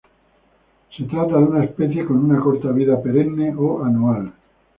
Se trata de una especie con una corta vida perenne o anual.